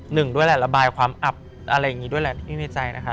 หนึ่งด้วยแหละระบายความอับอะไรอย่างนี้ด้วยแหละที่ในใจนะคะ